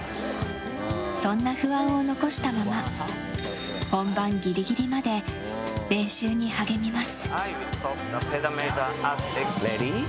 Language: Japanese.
そんな不安を残したまま本番ギリギリまで練習に励みます。